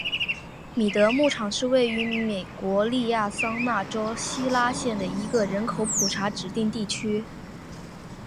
米德牧场是位于美国亚利桑那州希拉县的一个人口普查指定地区。